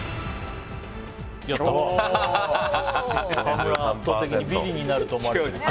川村は圧倒的にビリになると思われてる。